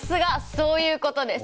そういうことです！